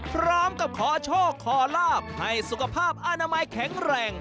พร้อมกับขอโชคขอลาบให้สุขภาพอนามัยแข็งแรง